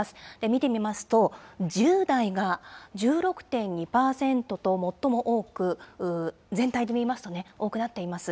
見てみますと、１０代が１６．２％と最も多く、全体で見ますと、多くなっています。